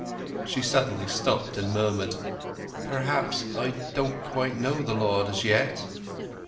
She suddenly stopped and murmured: "But perhaps I don't quite know the Lord as yet."